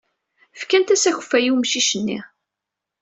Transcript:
Fkant-as akeffay i umcic-nni.